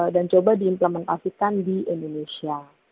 dan coba diimplementasikan di indonesia